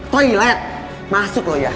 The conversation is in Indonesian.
toilet masuk lu ya